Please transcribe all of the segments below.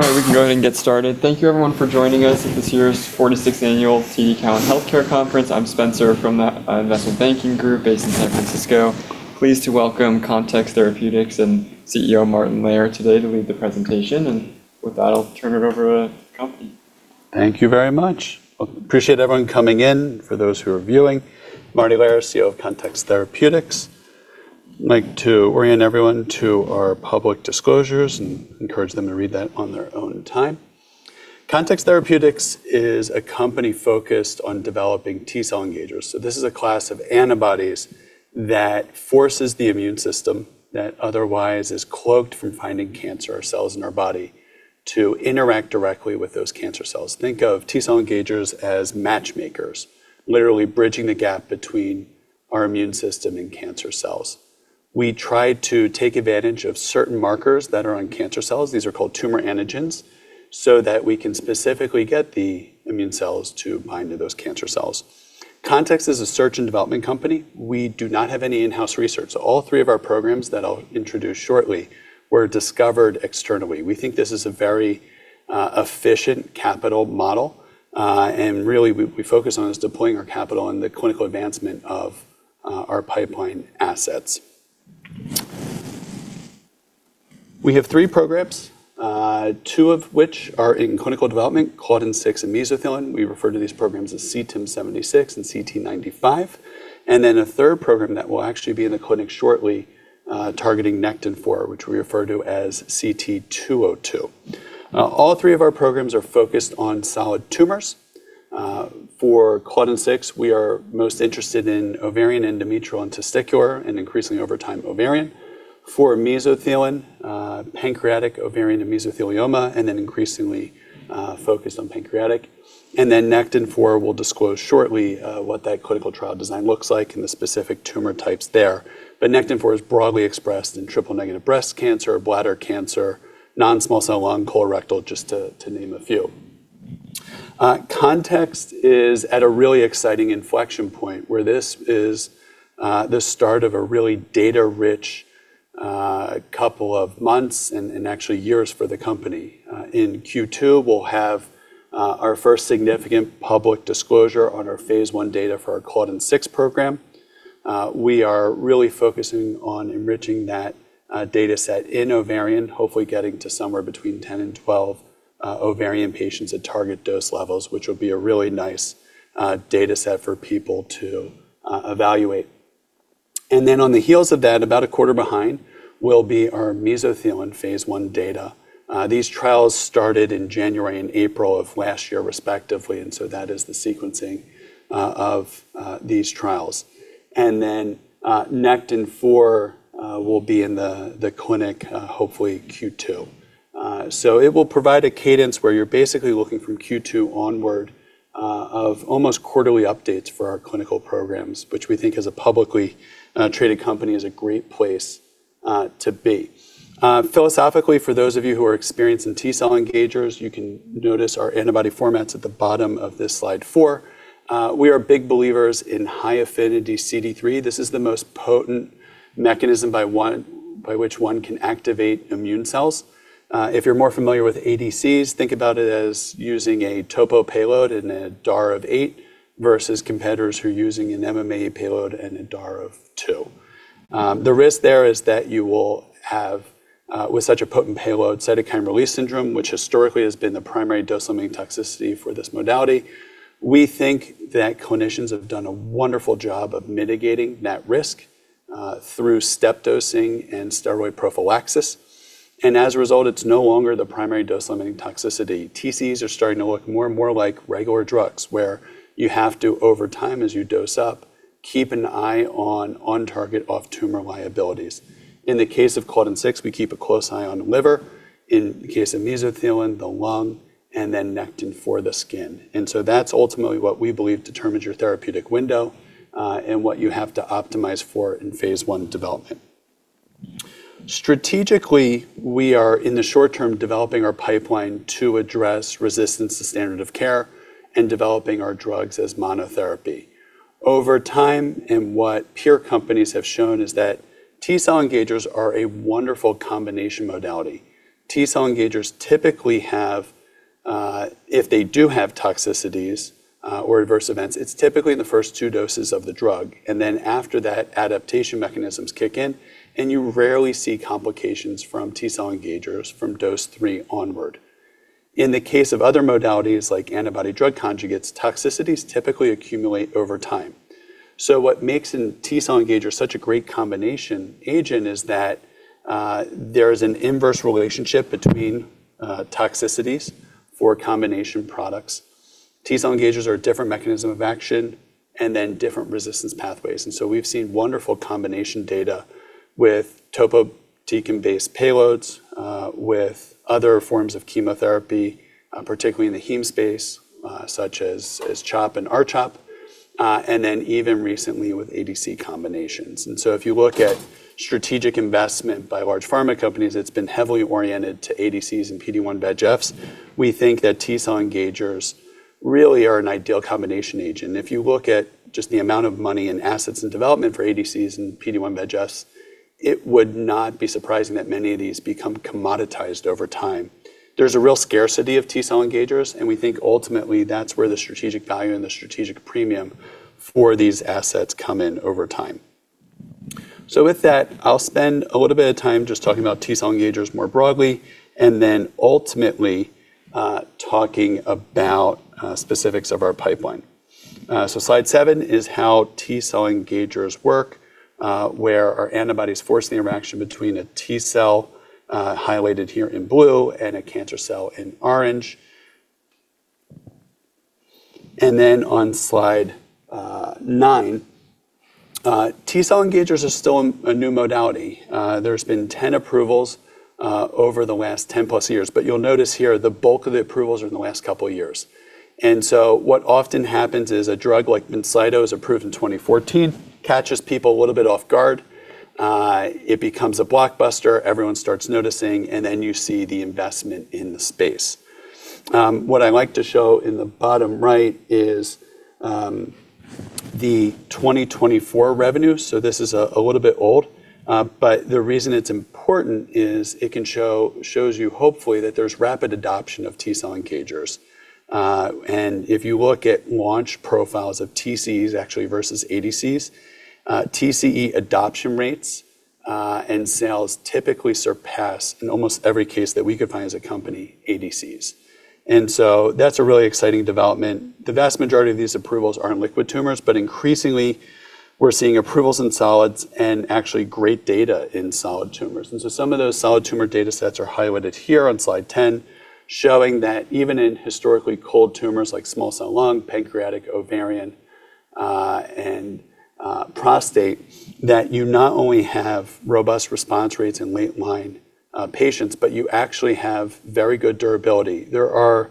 All right, we can go ahead and get started. Thank you everyone for joining us at this year's 46th Annual TD Cowen Healthcare Conference. I'm Spencer from the investment banking group based in San Francisco. Pleased to welcome Context Therapeutics and CEO Martin Lehr today to lead the presentation. With that, I'll turn it over to the company. Thank you very much. Appreciate everyone coming in, for those who are viewing. Martin Lehr, CEO of Context Therapeutics. Like to orient everyone to our public disclosures and encourage them to read that on their own time. Context Therapeutics is a company focused on developing T-cell engagers. This is a class of antibodies that forces the immune system that otherwise is cloaked from finding cancer cells in our body to interact directly with those cancer cells. Think of T-cell engagers as matchmakers, literally bridging the gap between our immune system and cancer cells. We try to take advantage of certain markers that are on cancer cells, these are called tumor antigens, so that we can specifically get the immune cells to bind to those cancer cells. Context is a search and development company. We do not have any in-house research. All three of our programs that I'll introduce shortly were discovered externally. We think this is a very efficient capital model. Really we focus on is deploying our capital in the clinical advancement of our pipeline assets. We have three programs, two of which are in clinical development, Claudin 6 and mesothelin. We refer to these programs as CT76 and CT-95. A third program that will actually be in the clinic shortly, targeting Nectin-4, which we refer to as CT-202. All three of our programs are focused on solid tumors. For Claudin 6, we are most interested in ovarian, endometrial, and testicular, and increasingly over time, ovarian. For mesothelin, pancreatic, ovarian, and mesothelioma, increasingly focused on pancreatic. Nectin-4, we'll disclose shortly what that clinical trial design looks like and the specific tumor types there. Nectin-4 is broadly expressed in triple-negative breast cancer, bladder cancer, non-small cell lung, colorectal, just to name a few. Context is at a really exciting inflection point where this is the start of a really data-rich couple of months and actually years for the company. In Q2, we'll have our first significant public disclosure on our phase I data for our Claudin 6 program. We are really focusing on enriching that dataset in ovarian, hopefully getting to somewhere between 10 and 12 ovarian patients at target dose levels, which will be a really nice dataset for people to evaluate. On the heels of that, about a quarter behind, will be our mesothelin phase I data. These trials started in January and April of last year, respectively, that is the sequencing of these trials. Nectin-4 will be in the clinic, hopefully Q2. It will provide a cadence where you're basically looking from Q2 onward of almost quarterly updates for our clinical programs, which we think as a publicly traded company is a great place to be. Philosophically, for those of you who are experienced in T-cell engagers, you can notice our antibody format's at the bottom of this slide four. We are big believers in high-affinity CD3. This is the most potent mechanism by which one can activate immune cells. If you're more familiar with ADCs, think about it as using a topo payload and a DAR of 8 versus competitors who are using an MMAE payload and a DAR of 2. The risk there is that you will have with such a potent payload, cytokine release syndrome, which historically has been the primary dose-limiting toxicity for this modality. We think that clinicians have done a wonderful job of mitigating that risk through step dosing and steroid prophylaxis, and as a result, it's no longer the primary dose-limiting toxicity. TCEs are starting to look more and more like regular drugs, where you have to, over time as you dose up, keep an eye on on-target, off-tumor liabilities. In the case of Claudin 6, we keep a close eye on the liver, in the case of mesothelin, the lung, and then Nectin-4, the skin. That's ultimately what we believe determines your therapeutic window, and what you have to optimize for in phase I development. Strategically, we are in the short term developing our pipeline to address resistance to standard of care and developing our drugs as monotherapy. Over time, and what peer companies have shown, is that T-cell engagers are a wonderful combination modality. T-cell engagers typically have, if they do have toxicities, or adverse events, it's typically in the first two doses of the drug, and then after that, adaptation mechanisms kick in, and you rarely see complications from T-cell engagers from dose three onward. In the case of other modalities, like antibody-drug conjugates, toxicities typically accumulate over time. What makes an T-cell engager such a great combination agent is that there is an inverse relationship between toxicities for combination products. T-cell engagers are a different mechanism of action and then different resistance pathways. We've seen wonderful combination data with topotecan-based payloads, with other forms of chemotherapy, particularly in the heme space, such as CHOP and R-CHOP, and then even recently with ADC combinations. If you look at strategic investment by large pharma companies, it's been heavily oriented to ADCs and PD-1/PD-L1 bispecifics. We think that T-cell engagers really are an ideal combination agent. If you look at just the amount of money and assets in development for ADCs and PD-1/PD-Ls, it would not be surprising that many of these become commoditized over time. There's a real scarcity of T-cell engagers, and we think ultimately that's where the strategic value and the strategic premium for these assets come in over time. With that, I'll spend a little bit of time just talking about T-cell engagers more broadly and then ultimately, talking about specifics of our pipeline. Slide seven is how T-cell engagers work, where our antibodies force the interaction between a T-cell, highlighted here in blue, and a cancer cell in orange. On slide nine, T-cell engagers are still a new modality. There's been 10 approvals over the last 10 plus years. You'll notice here the bulk of the approvals are in the last couple of years. What often happens is a drug like Venclexta is approved in 2014, catches people a little bit off guard, it becomes a blockbuster, everyone starts noticing, and then you see the investment in the space. What I like to show in the bottom right is the 2024 revenue. This is a little bit old, but the reason it's important is it shows you hopefully that there's rapid adoption of T-cell engagers. If you look at launch profiles of TCEs actually versus ADCs, TCE adoption rates and sales typically surpass, in almost every case that we could find as a company, ADCs. That's a really exciting development. The vast majority of these approvals are in liquid tumors, but increasingly we're seeing approvals in solids and actually great data in solid tumors. Some of those solid tumor datasets are highlighted here on slide 10, showing that even in historically cold tumors like small cell lung, pancreatic, ovarian, and prostate, that you not only have robust response rates in late line patients, but you actually have very good durability. There are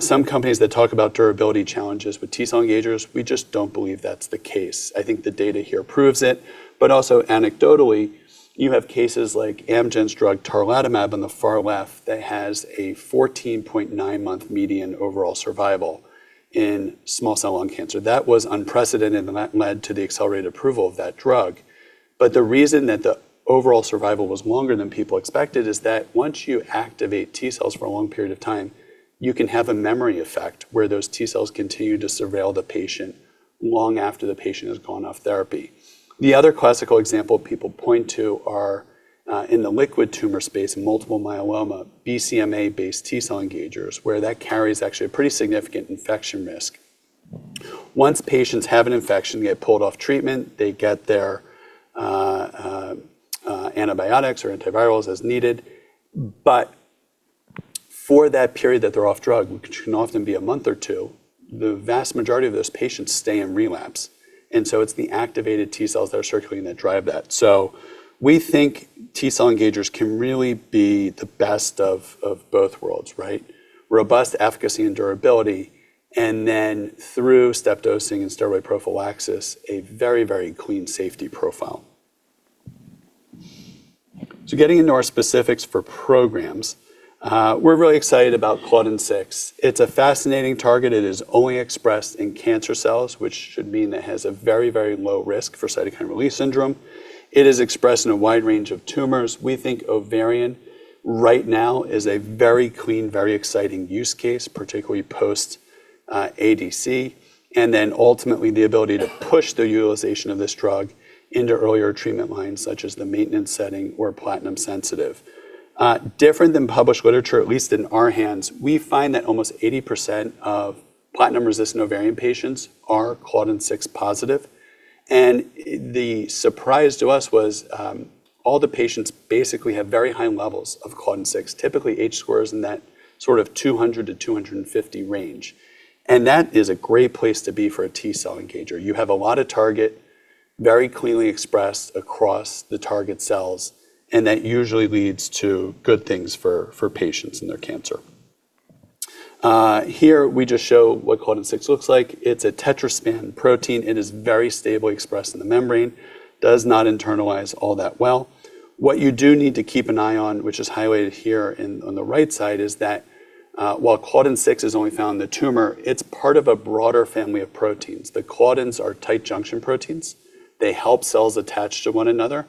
some companies that talk about durability challenges with T-cell engagers. We just don't believe that's the case. I think the data here proves it. Also anecdotally, you have cases like Amgen's drug tarlatamab on the far left that has a 14.9-month median overall survival in small cell lung cancer. That was unprecedented and that led to the accelerated approval of that drug. The reason that the overall survival was longer than people expected is that once you activate T-cells for a long period of time, you can have a memory effect where those T-cells continue to surveil the patient long after the patient has gone off therapy. The other classical example people point to are in the liquid tumor space, multiple myeloma, BCMA-based T-cell engagers, where that carries actually a pretty significant infection risk. Once patients have an infection, they get pulled off treatment, they get their antibiotics or antivirals as needed. For that period that they're off drug, which can often be a month or two, the vast majority of those patients stay in relapse, and so it's the activated T-cells that are circulating that drive that. We think T-cell engagers can really be the best of both worlds, right? Robust efficacy and durability, through step dosing and steroid prophylaxis, a very, very clean safety profile. Getting into our specifics for programs, we're really excited about Claudin 6. It's a fascinating target. It is only expressed in cancer cells, which should mean that it has a very, very low risk for cytokine release syndrome. It is expressed in a wide range of tumors. We think ovarian right now is a very clean, very exciting use case, particularly post-ADC, ultimately the ability to push the utilization of this drug into earlier treatment lines, such as the maintenance setting or platinum-sensitive. Different than published literature, at least in our hands, we find that almost 80% of platinum-resistant ovarian patients are Claudin 6 positive. The surprise to us was, all the patients basically have very high levels of Claudin 6, typically H-scores in that sort of 200-250 range. That is a great place to be for a T-cell engager. You have a lot of target very cleanly expressed across the target cells, and that usually leads to good things for patients and their cancer. Here we just show what Claudin 6 looks like. It's a tetraspan protein. It is very stable, expressed in the membrane, does not internalize all that well. What you do need to keep an eye on, which is highlighted here on the right side, is that, while Claudin 6 is only found in the tumor, it's part of a broader family of proteins. The claudins are tight junction proteins. They help cells attach to one another.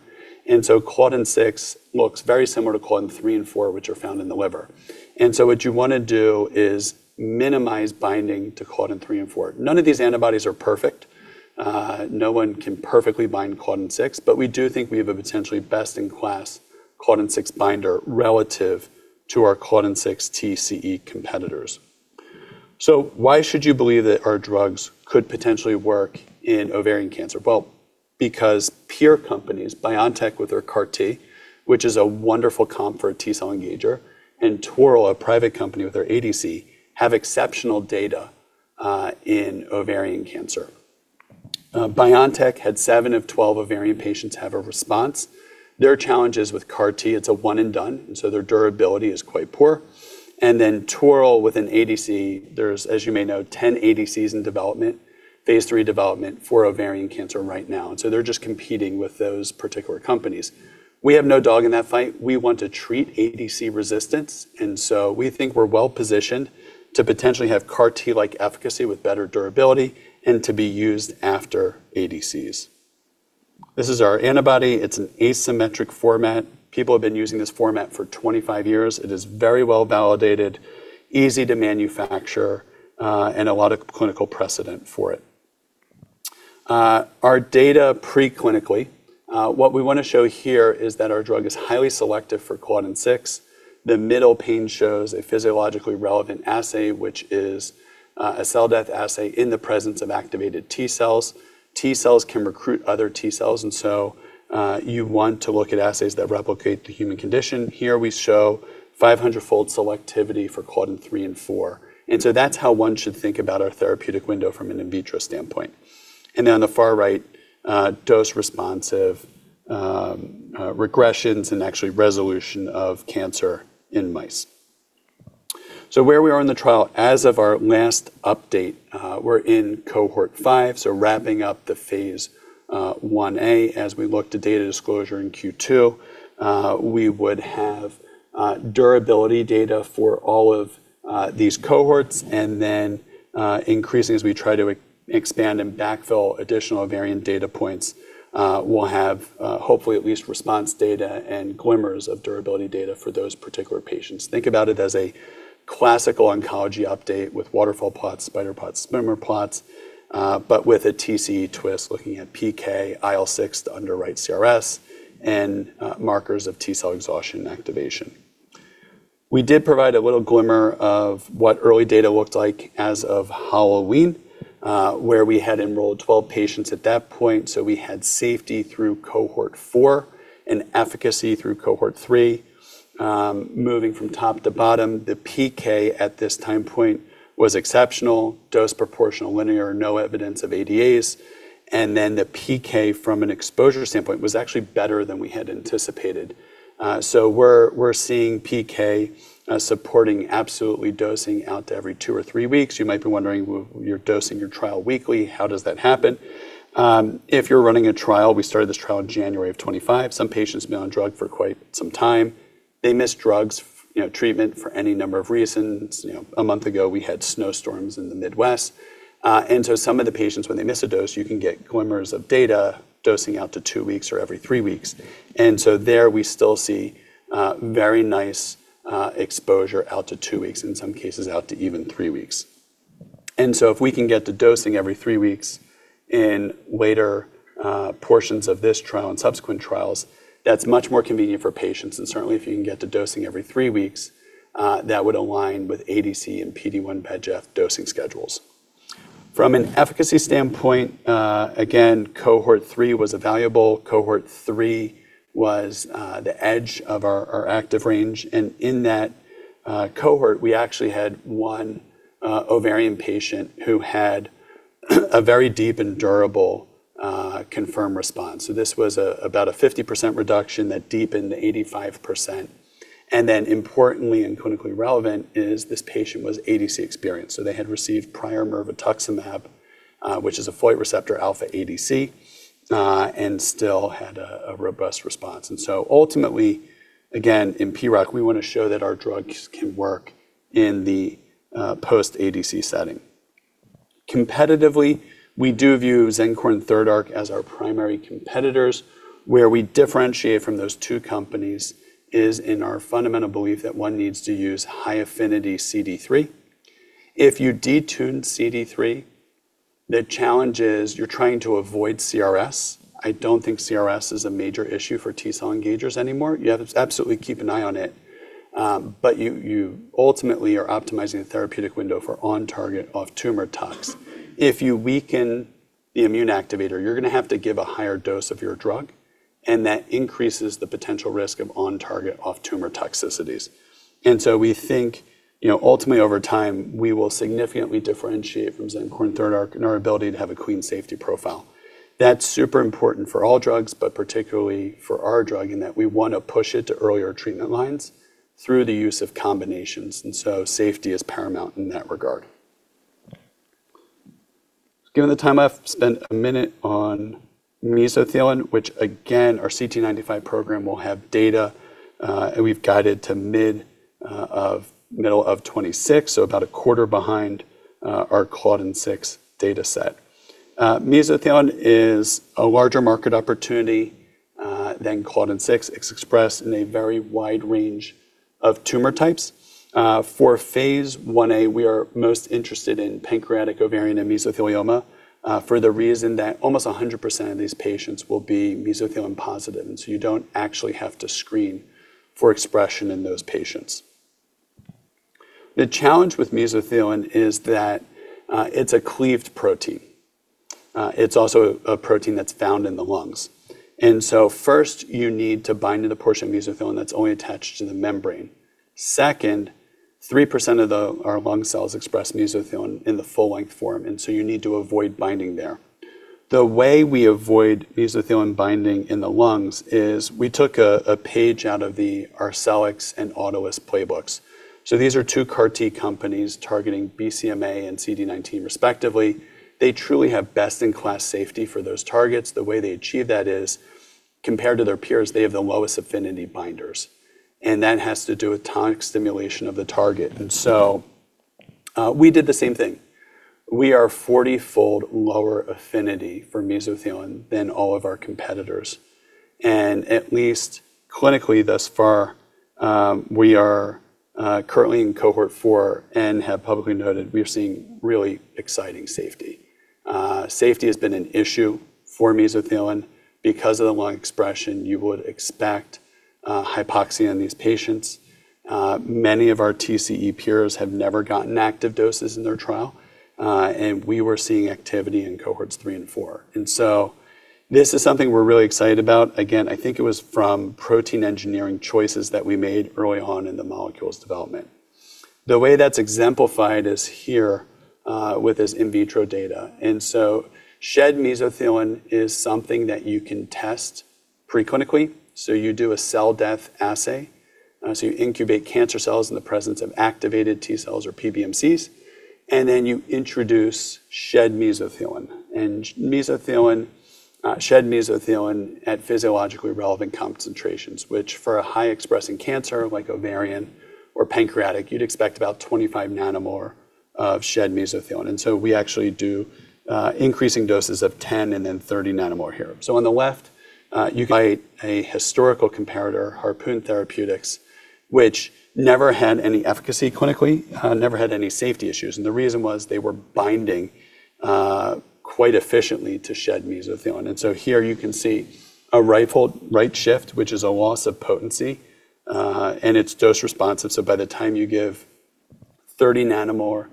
Claudin 6 looks very similar to Claudin 3 and Claudin 4, which are found in the liver. What you want to do is minimize binding to Claudin 3 and Claudin-4. None of these antibodies are perfect. No one can perfectly bind Claudin 6, but we do think we have a potentially best-in-class Claudin 6 binder relative to our Claudin 6 TCE competitors. Why should you believe that our drugs could potentially work in ovarian cancer? Well, because peer companies, BioNTech with their CAR T, which is a wonderful comp for a T-cell engager, and TORL, a private company with their ADC, have exceptional data in ovarian cancer. BioNTech had seven of 12 ovarian patients have a response. There are challenges with CAR T. It's a one and done. Their durability is quite poor. TORL with an ADC, there's, as you may know, 10 ADCs in phase III development for ovarian cancer right now. They're just competing with those particular companies. We have no dog in that fight. We want to treat ADC resistance, we think we're well-positioned to potentially have CAR T-like efficacy with better durability and to be used after ADCs. This is our antibody. It's an asymmetric format. People have been using this format for 25 years. It is very well-validated, easy to manufacture, and a lot of clinical precedent for it. Our data pre-clinically, what we want to show here is that our drug is highly selective for Claudin 6. The middle pane shows a physiologically relevant assay, which is a cell death assay in the presence of activated T-cells. T-cells can recruit other T-cells. You want to look at assays that replicate the human condition. Here we show 500-fold selectivity for Claudin 3 and 4. That's how one should think about our therapeutic window from an in vitro standpoint. On the far right, dose-responsive regressions and actually resolution of cancer in mice. Where we are in the trial, as of our last update, we're in cohort five, wrapping up the phase I-A as we look to data disclosure in Q2. We would have durability data for all of these cohorts, increasing as we try to expand and backfill additional ovarian data points, we'll have hopefully at least response data and glimmers of durability data for those particular patients. Think about it as a classical oncology update with waterfall plots, spider plots, swimmer plots, but with a TCE twist looking at PK, IL-6 to underwrite CRS, and markers of T-cell exhaustion and activation. We did provide a little glimmer of what early data looked like as of Halloween, where we had enrolled 12 patients at that point. We had safety through cohort four and efficacy through cohort three. Moving from top to bottom, the PK at this time point was exceptional, dose proportional, linear, no evidence of ADAs. The PK from an exposure standpoint was actually better than we had anticipated. We're seeing PK supporting absolutely dosing out to every two or three weeks. You might be wondering, you're dosing your trial weekly, how does that happen? If you're running a trial, we started this trial in January of 2025. Some patients have been on drug for quite some time. They miss drugs, you know, treatment for any number of reasons. You know, a month ago, we had snowstorms in the Midwest. Some of the patients, when they miss a dose, you can get glimmers of data dosing out to two weeks or every three weeks. There we still see very nice exposure out to two weeks, in some cases out to even three weeks. If we can get to dosing every three weeks in later portions of this trial and subsequent trials, that's much more convenient for patients. Certainly if you can get to dosing every three weeks, that would align with ADC and PD-1/VEGF dosing schedules. From an efficacy standpoint, again, cohort three was evaluable. Cohort three was the edge of our active range. In that cohort, we actually had one ovarian patient who had a very deep and durable confirmed response. This was about a 50% reduction that deepened to 85%. Then importantly and clinically relevant is this patient was ADC experienced. They had received prior mirvetuximab, which is a folate receptor alpha ADC, and still had a robust response. Ultimately, again, in PROC, we want to show that our drugs can work in the post-ADC setting. Competitively, we do view Xencor and Third Rock as our primary competitors. Where we differentiate from those two companies is in our fundamental belief that one needs to use high-affinity CD3. If you detune CD3, the challenge is you're trying to avoid CRS. I don't think CRS is a major issue for T-cell engagers anymore. You have to absolutely keep an eye on it, but you ultimately are optimizing the therapeutic window for on-target, off-tumor tox. If you weaken the immune activator, you're gonna have to give a higher dose of your drug, and that increases the potential risk of on-target, off-tumor toxicities. We think, you know, ultimately over time, we will significantly differentiate from Xencor and Third Rock in our ability to have a clean safety profile. That's super important for all drugs, but particularly for our drug in that we want to push it to earlier treatment lines through the use of combinations, safety is paramount in that regard. Given the time left, spend a minute on mesothelin, which again, our CT-95 program will have data, and we've guided to middle of 2026, so about a quarter behind our Claudin 6 dataset. Mesothelin is a larger market opportunity than Claudin 6. It's expressed in a very wide range of tumor types. For phase I-A, we are most interested in pancreatic, ovarian, and mesothelioma, for the reason that almost 100% of these patients will be mesothelin positive, you don't actually have to screen for expression in those patients. The challenge with mesothelin is that it's a cleaved protein. It's also a protein that's found in the lungs. First, you need to bind to the portion of mesothelin that's only attached to the membrane. Second, 3% of our lung cells express mesothelin in the full-length form, and so you need to avoid binding there. The way we avoid mesothelin binding in the lungs is we took a page out of the Arcellx and Autolus playbooks. These are two CAR T companies targeting BCMA and CD19 respectively. They truly have best-in-class safety for those targets. The way they achieve that is, compared to their peers, they have the lowest affinity binders, and that has to do with tonic stimulation of the target. We did the same thing. We are 40-fold lower affinity for mesothelin than all of our competitors. At least clinically thus far, we are currently in cohort four and have publicly noted we are seeing really exciting safety. Safety has been an issue for mesothelin. Because of the lung expression, you would expect hypoxia in these patients. Many of our TCE peers have never gotten active doses in their trial, we were seeing activity in cohorts three and four. This is something we're really excited about. Again, I think it was from protein engineering choices that we made early on in the molecule's development. The way that's exemplified is here with this in vitro data. Shed mesothelin is something that you can test pre-clinically. You do a cell death assay. You incubate cancer cells in the presence of activated T cells or PBMCs, you introduce shed mesothelin. Mesothelin, shed mesothelin at physiologically relevant concentrations, which for a high expressing cancer like ovarian or pancreatic, you'd expect about 25 nanomolar of shed mesothelin. We actually do increasing doses of 10 and then 30 nanomolar here. On the left, you can see a historical comparator, Harpoon Therapeutics, which never had any efficacy clinically, never had any safety issues. The reason was they were binding quite efficiently to shed mesothelin. Here you can see a rifled right shift, which is a loss of potency, and it's dose responsive. By the time you give 30 nanomolar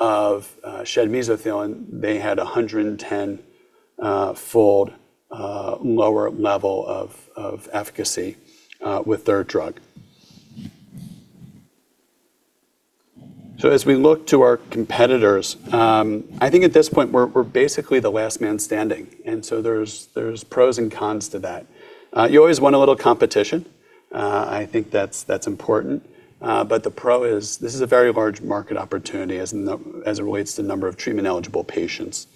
of shed mesothelin, they had a 110-fold lower level of efficacy with their drug. As we look to our competitors, I think at this point we're basically the last man standing, there's pros and cons to that. You always want a little competition. I think that's important. The pro is this is a very large market opportunity as it relates to number of treatment-eligible patients.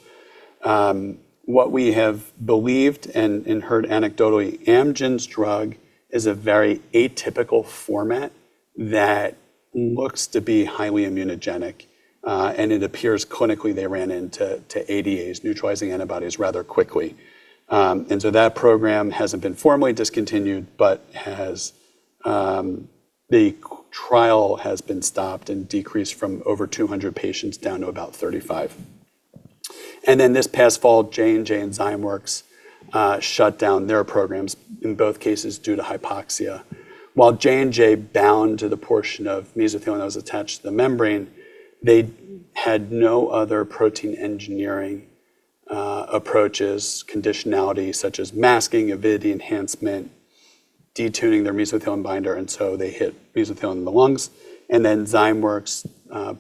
What we have believed and heard anecdotally, Amgen's drug is a very atypical format that looks to be highly immunogenic, and it appears clinically they ran into ADAs neutralizing antibodies rather quickly. That program hasn't been formally discontinued but has, the trial has been stopped and decreased from over 200 patients down to about 35. This past fall, J&J and Zymeworks, shut down their programs, in both cases due to hypoxia. While J&J bound to the portion of mesothelin that was attached to the membrane, they had no other protein engineering, approaches, conditionality such as masking, avidity enhancement, detuning their mesothelin binder, and so they hit mesothelin in the lungs. Zymeworks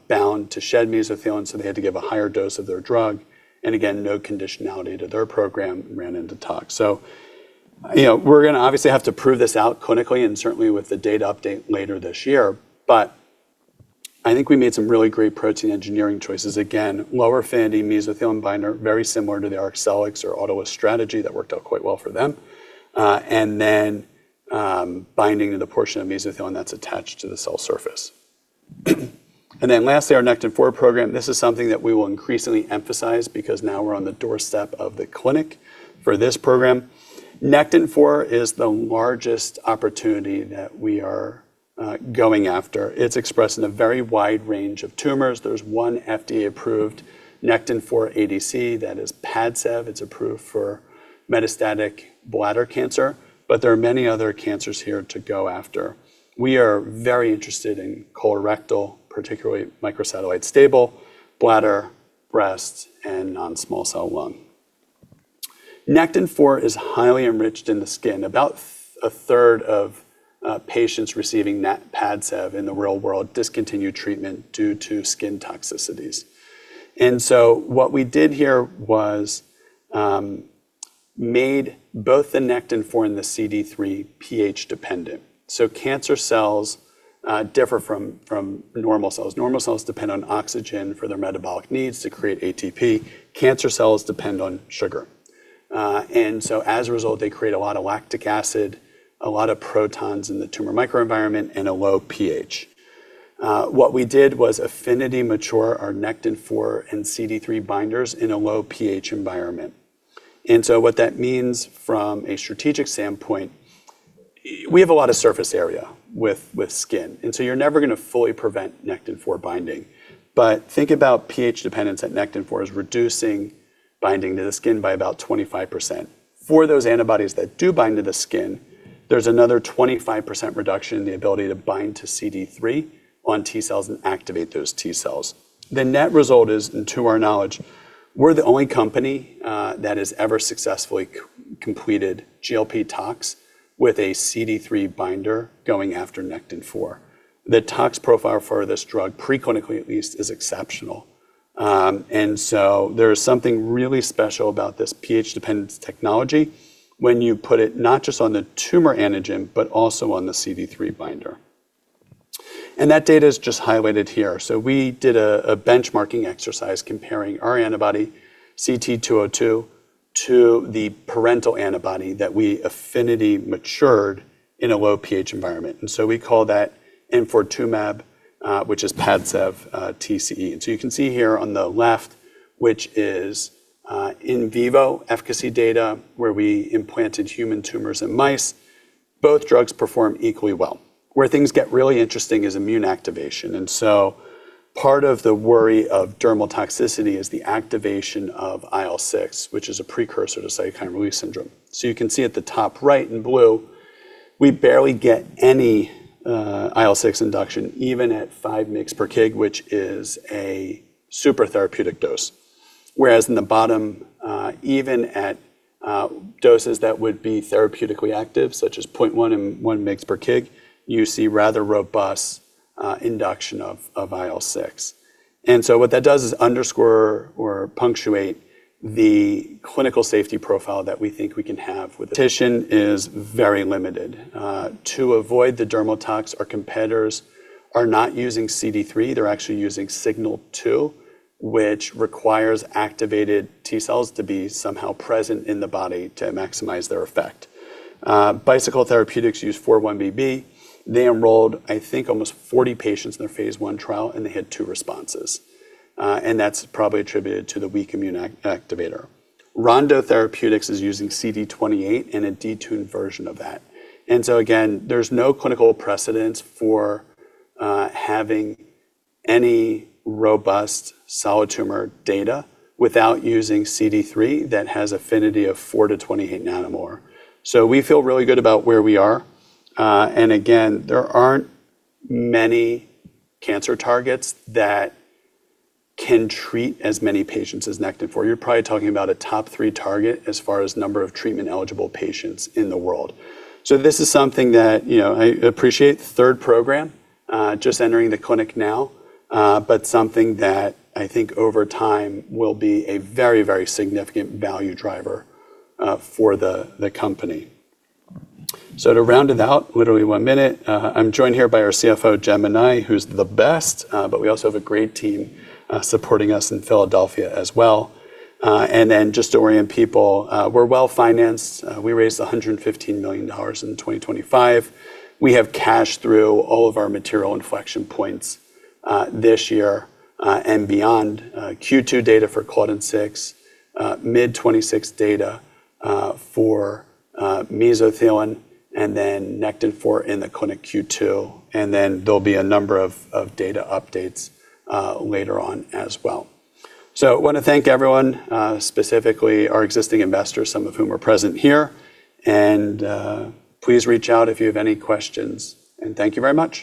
bound to shed mesothelin, so they had to give a higher dose of their drug, and again, no conditionality to their program, ran into tox. You know, we're gonna obviously have to prove this out clinically and certainly with the data update later this year. I think we made some really great protein engineering choices. Again, lower affinity mesothelin binder, very similar to the Arcellx or Autolus strategy that worked out quite well for them. Binding to the portion of mesothelin that's attached to the cell surface. Lastly, our Nectin-4 program. This is something that we will increasingly emphasize because now we're on the doorstep of the clinic for this program. Nectin-4 is the largest opportunity that we are going after. It's expressed in a very wide range of tumors. There's one FDA-approved Nectin-4 ADC that is PADCEV. It's approved for metastatic bladder cancer. There are many other cancers here to go after. We are very interested in colorectal, particularly microsatellite stable, bladder, breast, and non-small cell lung. Nectin-4 is highly enriched in the skin. About a third of patients receiving that PADCEV in the real world discontinue treatment due to skin toxicities. What we did here was made both the Nectin-4 and the CD3 pH-dependent. Cancer cells differ from normal cells. Normal cells depend on oxygen for their metabolic needs to create ATP. Cancer cells depend on sugar. As a result, they create a lot of lactic acid, a lot of protons in the tumor microenvironment, and a low pH. What we did was affinity mature our Nectin-4 and CD3 binders in a low pH environment. What that means from a strategic standpoint, we have a lot of surface area with skin, and so you're never gonna fully prevent Nectin-4 binding. Think about pH-dependence at Nectin-4 as reducing binding to the skin by about 25%. For those antibodies that do bind to the skin, there's another 25% reduction in the ability to bind to CD3 on T-cells and activate those T-cells. The net result is, to our knowledge, we're the only company that has ever successfully completed GLP tox with a CD3 binder going after Nectin-4. The tox profile for this drug, preclinically at least, is exceptional. There is something really special about this pH-dependent technology when you put it not just on the tumor antigen but also on the CD3 binder. That data is just highlighted here. We did a benchmarking exercise comparing our antibody CT-202 to the parental antibody that we affinity matured in a low pH environment. We call that Nectin-4 mAb, which is PADCEV TCE. You can see here on the left, which is in vivo efficacy data where we implanted human tumors in mice, both drugs perform equally well. Where things get really interesting is immune activation. Part of the worry of dermal toxicity is the activation of IL-6, which is a precursor to cytokine release syndrome. You can see at the top right in blue, we barely get any IL-6 induction even at 5 mg per kg, which is a super therapeutic dose. In the bottom, even at doses that would be therapeutically active, such as 0.1 and 1 mg/kg, you see rather robust induction of IL-6. What that does is underscore or punctuate the clinical safety profile that we think we can have with. Competition is very limited. To avoid the dermal tox, our competitors are not using CD3, they're actually using Signal 2, which requires activated T cells to be somehow present in the body to maximize their effect. Bicycle Therapeutics use 4-1BB. They enrolled, I think, almost 40 patients in their phase I trial, and they had two responses. That's probably attributed to the weak immune activator. Rondo Therapeutics is using CD28 and a detuned version of that. Again, there's no clinical precedence for having any robust solid tumor data without using CD3 that has affinity of four to 28 nanometer. We feel really good about where we are. Again, there aren't many cancer targets that can treat as many patients as Nectin-4. You're probably talking about a top three target as far as number of treatment-eligible patients in the world. This is something that, you know, I appreciate. Third program, just entering the clinic now, something that I think over time will be a very, very significant value driver for the company. To round it out, literally one minute, I'm joined here by our CFO, Gemini, who's the best. We also have a great team supporting us in Philadelphia as well. Just to orient people, we're well-financed. We raised $115 million in 2025. We have cash through all of our material inflection points this year and beyond. Q2 data for Claudin 6, mid-2026 data for mesothelin, Nectin-4 in the clinic Q2 and then there'll be a number of data updates later on as well. I wanna thank everyone, specifically our existing investors, some of whom are present here. Please reach out if you have any questions, and thank you very much.